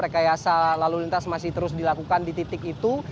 rekayasa lalu lintas masih terus dilakukan di titik itu